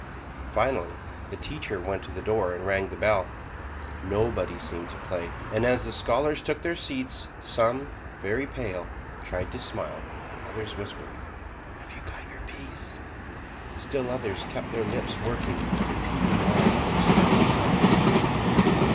Finally, the teacher went to the door and rang the bell: nobody seemed to play, and as the scholars took their seats, some, very pale, tried to smile, and others whispered, "Have you got your piece?" Still others kept their lips working, repeating lines that struggled hard to flee.